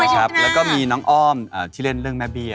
แล้วก็มีน้องอ้อมชื่อเล่นเรื่องแม่เบียร์